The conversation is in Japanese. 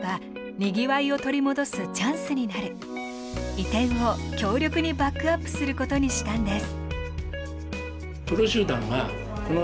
移転を強力にバックアップすることにしたんです。